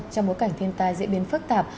trong mối cảnh thiên tai diễn biến phức tạp